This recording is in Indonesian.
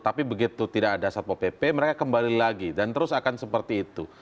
tapi begitu tidak ada satpo pp mereka kembali lagi dan terus akan seperti itu